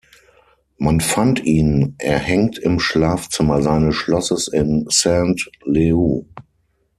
Man fand ihn erhängt im Schlafzimmer seines Schlosses in Saint-Leu.